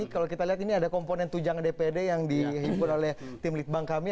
kalau kita lihat ini ada komponen tujangan dpd yang dihimpun oleh tim litbang kami